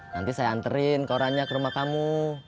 nanti saya anterin korannya ke rumah kamu